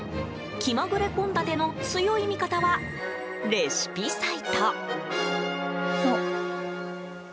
気まぐれ献立の強い味方はレシピサイト。